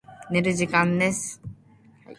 寝る時間です。